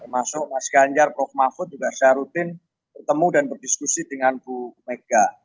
termasuk mas ganjar prof mahfud juga saya rutin bertemu dan berdiskusi dengan bu mega